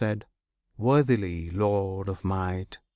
Worthily, Lord of Might!